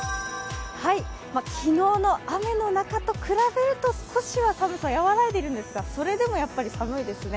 昨日の雨の中と比べると、少しは寒さ、和らいでいるんですがそれでもやっぱり寒いですね。